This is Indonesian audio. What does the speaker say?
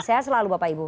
sehat selalu bapak ibu